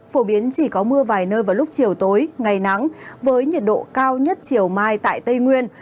phổ biến chỉ có mưa vài nơi vào lúc chiều tối ngày nắng với nhiệt độ cao nhất chiều mai tại tây nguyên